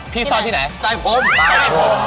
ที่ซ่อนที่ไหนใต้ผมใต้ผม